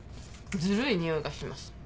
ズルいにおいがします。